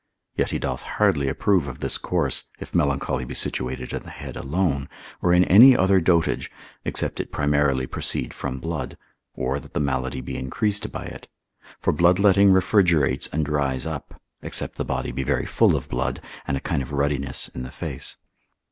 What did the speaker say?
Yet he doth hardly approve of this course, if melancholy be situated in the head alone, or in any other dotage, except it primarily proceed from blood, or that the malady be increased by it; for bloodletting refrigerates and dries up, except the body be very full of blood, and a kind of ruddiness in the face.